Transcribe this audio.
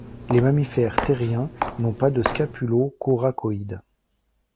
Les mammifères thériens n'ont pas de scapulocoracoïde.